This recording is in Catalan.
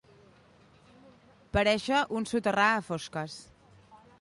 Parèixer un soterrar a fosques.